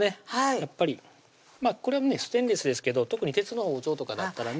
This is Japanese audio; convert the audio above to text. やっぱりこれはステンレスですけど特に鉄の包丁とかだったらね